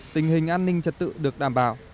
tình hình an ninh trật tự được đảm bảo